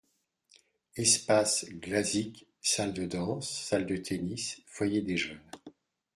Espace Glazik : salle de danse, salle de tennis, foyer des jeunes.